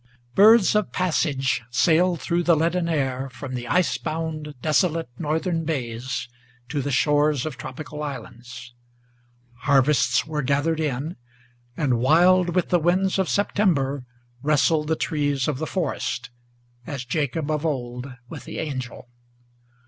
Birds of passage sailed through the leaden air, from the ice bound, Desolate northern bays to the shores of tropical islands. Harvests were gathered in; and wild with the winds of September Wrestled the trees of the forest, as Jacob of old with the angel.